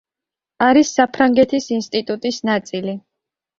არის საფრანგეთის ინსტიტუტის ნაწილი.